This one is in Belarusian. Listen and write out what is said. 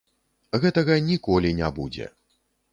Гэтага ніколі не будзе.